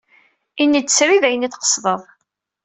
Ini-d srid ayen ay d-tqesdeḍ.